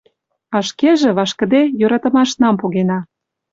А шкеже, вашкыде, «йӧратымашнам» погена.